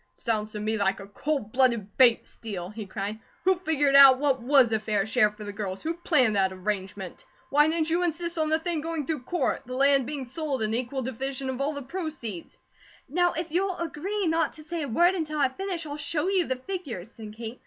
"Sounds to me like a cold blooded Bates steal," he cried. "Who figured out what WAS a fair share for the girls; who planned that arrangement? Why didn't you insist on the thing going through court; the land belong sold, and equal divisions of all the proceeds?" "Now if you'll agree not to say a word until I finish, I'll show you the figures," said Kate.